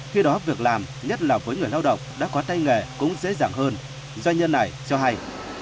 khi đó việc làm nhất là với người lao động đã có tay nghề cũng dễ dàng hơn doanh nhân này cho hay